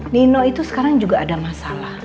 nino itu sekarang juga ada masalah